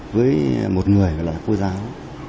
với một người là cô giáo